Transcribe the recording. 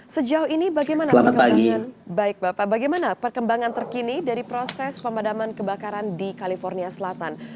sejauh ini bagaimana perkembangan terkini dari proses pemadaman kebakaran di kalifornia selatan